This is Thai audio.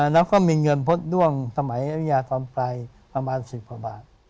แล้วก็มีเงินพจน์ด้วงสมัยอัพยาตร์ตอนปลายประมาณ๑๐กว่าบาท